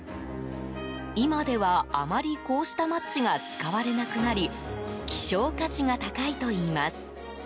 今ではあまり、こうしたマッチが使われなくなり希少価値が高いといいます。